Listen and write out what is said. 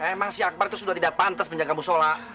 emang si akbar itu sudah tidak pantas menjaga musola